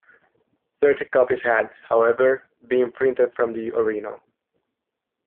Thirty copies had, however, been printed from the original.